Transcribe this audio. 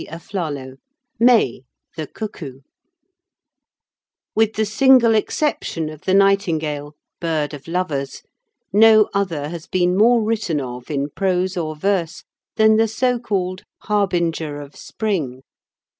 MAY THE CUCKOO THE CUCKOO With the single exception of the nightingale, bird of lovers, no other has been more written of in prose or verse than the so called "harbinger of spring."